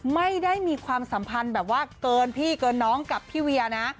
ไม่ได้มีความสัมพันธ์แบบว่าเกินพี่เกินน้องกับพี่เวียนะ